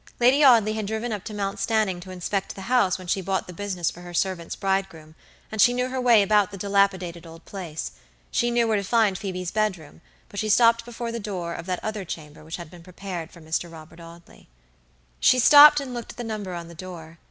Lady Audley had driven up to Mount Stanning to inspect the house when she bought the business for her servant's bridegroom, and she knew her way about the dilapidated old place; she knew where to find Phoebe's bedroom, but she stopped before the door of that other chamber which had been prepared for Mr. Robert Audley. She stopped and looked at the number on the door.